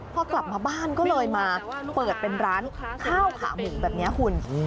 พอกลับมาบ้านก็เลยมาเปิดเป็นร้านข้าวขาหมูแบบนี้คุณ